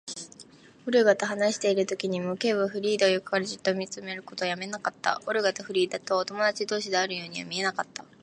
オルガと話しているときにも、Ｋ はフリーダを横からじっと見ることをやめなかった。オルガとフリーダとは友だち同士であるようには見えなかった。